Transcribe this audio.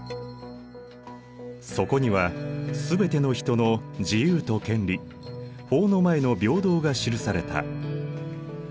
そこには全ての人の自由と権利法の前の平等が記された。